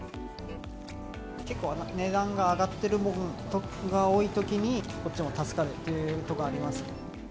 結構値段が上がっているものが多いときに、こっちも助かるっていうところあります。